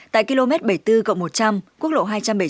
tại km bảy mươi bốn cộng một trăm linh quốc lộ hai trăm bảy mươi